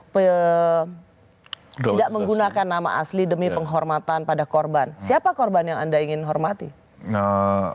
tidak menggunakan nama asli demi penghormatan pada korban siapa korban yang anda ingin hormati